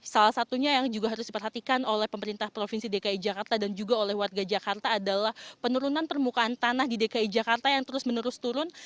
salah satunya yang juga harus diperhatikan oleh pemerintah provinsi dki jakarta dan juga oleh warga jakarta adalah penurunan permukaan tanah di dki jakarta yang terus menerus turun